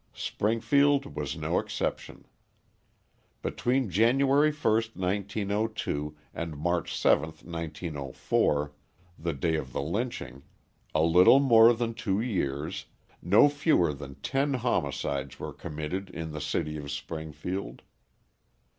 Springfield was no exception. Between January 1, 1902, and March 7, 1904, the day of the lynching, a little more than two years, no fewer than ten homicides were committed in the city of Springfield.